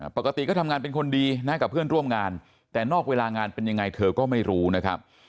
ปกติก็ทำงานเป็นคนดีนะกับเพื่อนร่วมงานแต่นอกเวลางานเป็นยังไงเธอก็ไม่รู้นะครับ